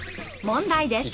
問題です。